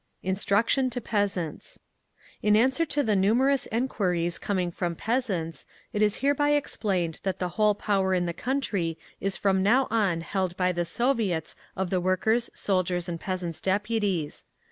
INSTRUCTION TO PEASANTS In answer to the numerous enquiries coming from peasants, it is hereby explained that the whole power in the country is from now on held by the Soviets of the Workers', Soldiers', and Peasants' Deputies.